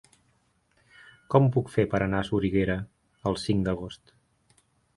Com ho puc fer per anar a Soriguera el cinc d'agost?